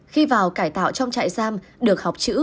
khi vào cải tạo trong trại giam được học chữ